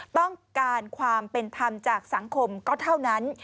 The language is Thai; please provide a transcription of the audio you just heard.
ต้องการความเป็นธรรมจากสังคมก็เท่านั้น